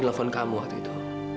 telepon kamu waktu itu